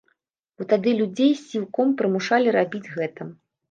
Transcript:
Бо тады людзей сілком прымушалі рабіць гэта.